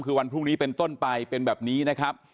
คือวันพรุ่งนี้เป็นต้นไปเป็นแบบนี้นะครับ